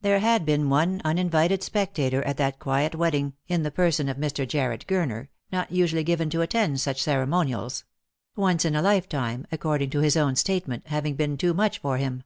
There had been one uninvited spectator at that quiet wedding, in the person of Mr. Jarred Gurner, not usually given to attend such ceremonials ; once in a lifetime, according to his own state ment, having been too much for him.